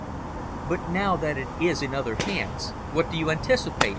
"But now that it is in other hands, what do you anticipate?"